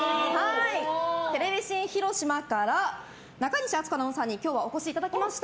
テレビ新広島から中西敦子アナウンサーに今日はお越しいただきました。